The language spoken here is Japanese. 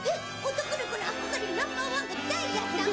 男の子の憧れるナンバーワンがダイヤさん？